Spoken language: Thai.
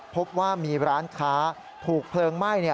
พบว่ามีร้านค้าถูกเพลิงไหม้